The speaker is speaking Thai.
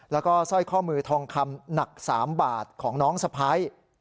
แล้วก็สร้อยข้อมือทองคำหนัก๓บาทของน้องสะพ้าย